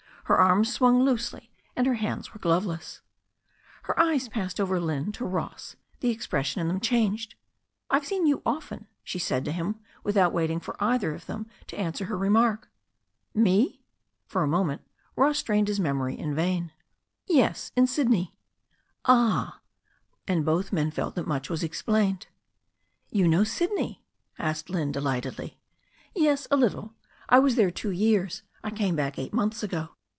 Her arms swung loosely and her hands were gloveless. As her eyes passed over Lynne to Ross the expression in them changed. T've seen you often," she said to him, without waiting for either of them to answer her remark. 'Me?" For a moment Ross strained his memory in vain. Yes, in Sydney." *Ah/' And both men felt that much was explained. "] ir "] <r it. THE STORY OF A NEW ZEALAND RIVER 269 "You know Sydney?" asked Lynne delightedly. "Yes, a little. I was there two years. I came back eight months ago."